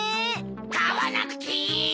あわなくていい！